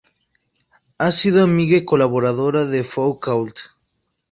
Ha sido amiga y colaboradora de Foucault.